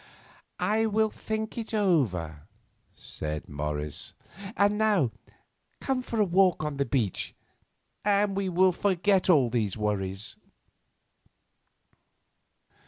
"I will think it over," said Morris. "And now come for a walk on the beach, and we will forget all these worries."